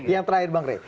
yang terakhir bang rey